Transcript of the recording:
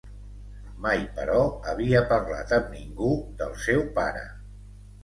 Mai, però, havia parlat amb ningú del seu pare.